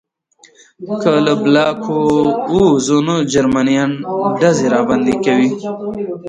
که له بلاک ووځو نو جرمنان ډزې راباندې کوي